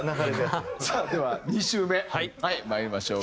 さあでは２周目まいりましょう。